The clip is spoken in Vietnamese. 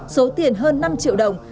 số tiền hơn năm triệu đồng